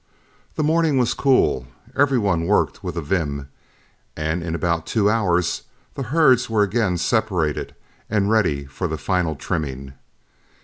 The morning was cool, every one worked with a vim, and in about two hours the herds were again separated and ready for the final trimming.